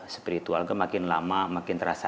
spiritual itu makin lama makin terasa